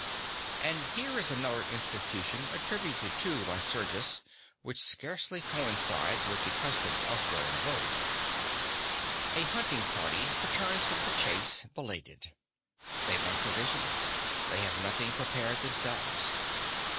And here is another institution attributed to Lycurgus which scarcely coincides with the customs elsewhere in vogue. A hunting party returns from the chase, belated. They want provisions they have nothing prepared themselves.